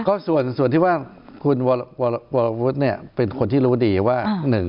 ก็ส่วนที่ว่าคุณวรรยุทธ์เป็นคนที่รู้ดีว่า